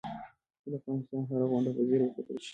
که د افغانستان هره غونډۍ په ځیر وکتل شي.